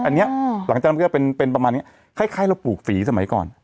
อันนี้หลังจากนั้นก็จะเป็นประมาณนี้คล้ายเราปลูกฝีสมัยก่อน